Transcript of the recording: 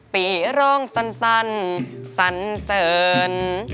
ปีร้องสั้นสันเสริญ